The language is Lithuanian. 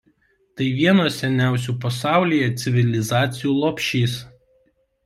Tai vienos seniausių pasaulyje civilizacijų lopšys.